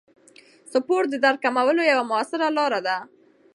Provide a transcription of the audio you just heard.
سپورت د درد کمولو یوه موثره لاره ده.